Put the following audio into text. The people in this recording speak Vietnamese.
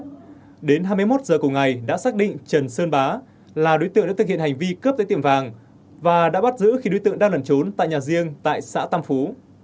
cơ quan thành phố tâm kỳ đã xác định trần sơn bá là đối tượng đã thực hiện hành vi cướp tại tiệm vàng và đã bắt giữ khi đối tượng đang lẩn trốn tại nhà riêng tại xã tâm phú